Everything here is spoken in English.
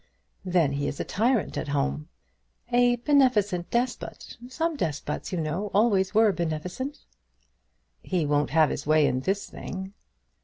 "Then he is a tyrant at home." "A beneficent despot. Some despots, you know, always were beneficent." "He won't have his way in this thing."